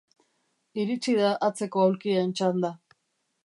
Iritsi da atzeko aulkien txanda.